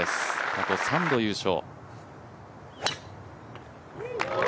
過去、３度優勝。